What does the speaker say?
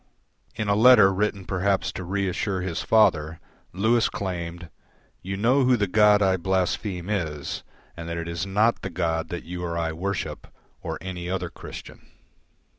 In a letter written perhaps to reassure his father, Lewis claimed, "You know who the God I blaspheme is and that it is not the God that you or I worship, or any other Christian."